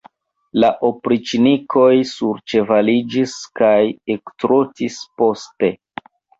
La opriĉnikoj surĉevaliĝis kaj ektrotis poste.